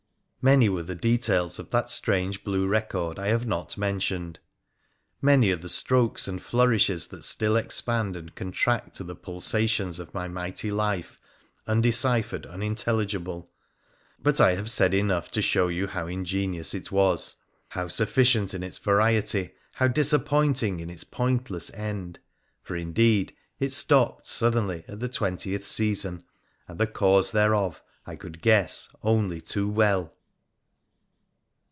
Many were the details of that strange blue record I have not mentioned ; many are the strokes and flourishes that still expand and contract to the pulsations of my mighty life — un deciphered, unintelligible. But I have said enough to show you how ingenious it was — how sufficient in its variety, how disappointing in its pointless end. For, indeed, it stopped suddenly at the twentieth season, and the cause thereof I could guess only too well